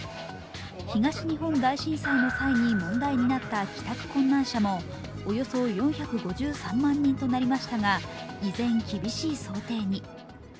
東日本大震災の際に問題になった帰宅困難者もおよそ４５３万人となりましたが依然厳しい想定に。